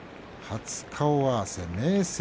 初顔合わせです。